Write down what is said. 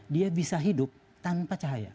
dia bisa hidup tanpa cahaya